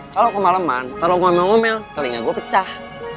kalau kemaleman ntar lo ngomel ngomel telinga gue pecah